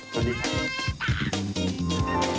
สวัสดีค่ะ